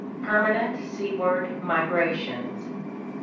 Permanent Seaward Migrations.